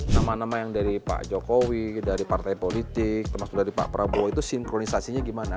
nama nama yang dari pak jokowi dari partai politik termasuk dari pak prabowo itu sinkronisasinya gimana